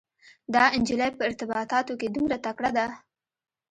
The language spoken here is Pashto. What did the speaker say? دا انجلۍ په ارتباطاتو کې دومره تکړه ده.